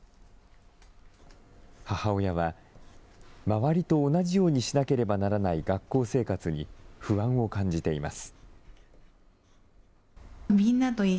母親は、周りと同じようにしなければならない学校生活に不安を感じています。